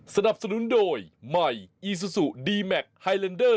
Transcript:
ว้าวน่าเยี่ยมเลย